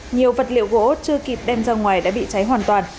nhiều vật liệu gỗ chưa kịp đem ra ngoài đã bị cháy hoàn toàn